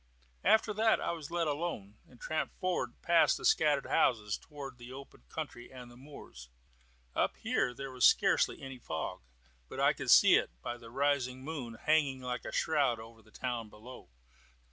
After that I was let alone, and tramped forward past the scattered houses, towards the open country and the moors. Up here there was scarcely any fog, but I could see it, by the rising moon, hanging like a shroud over the town below.